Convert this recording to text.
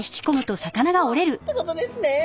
わっ！ってことですね。